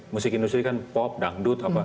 musik industri kan pop dangdut apa